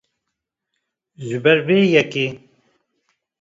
Ji ber vê yekê